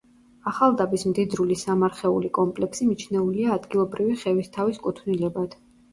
ახალდაბის მდიდრული სამარხეული კომპლექსი მიჩნეულია ადგილობრივი ხევისთავის კუთვნილებად.